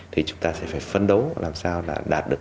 thì chúng ta sẽ phải phấn đấu làm sao là đạt được